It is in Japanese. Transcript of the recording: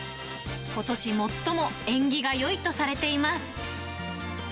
ことし最も縁起がよいとされています。